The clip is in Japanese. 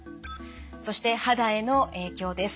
そして肌への影響です。